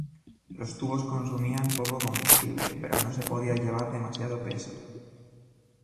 Los tubos consumían poco combustible pero no se podía llevar demasiado peso.